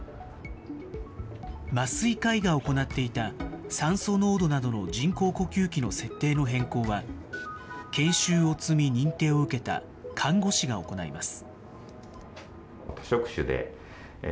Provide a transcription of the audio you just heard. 麻酔科医が行っていた、酸素濃度などの人工呼吸器の設定の変更は、研修を積み認定を受けた看護師が行います。